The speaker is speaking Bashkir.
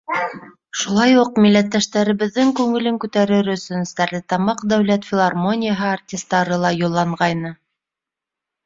Шулай уҡ милләттәштәребеҙҙең күңелен күтәрер өсөн Стәрлетамаҡ дәүләт филармонияһы артистары ла юлланғайны.